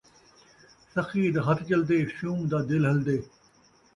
سخی دا ہتھ چلدے ، شوم دا دل ہلدے